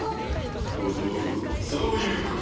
ほほうそういうことか。